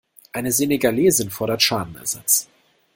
Eine Senegalesin fordert Schadenersatz.